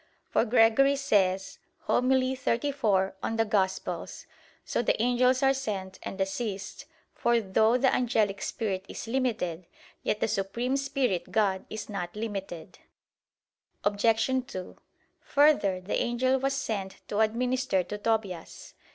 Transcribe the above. For Gregory says (Hom. xxxiv in Evang.): "So the angels are sent, and assist; for, though the angelic spirit is limited, yet the supreme Spirit, God, is not limited." Obj. 2: Further, the angel was sent to administer to Tobias.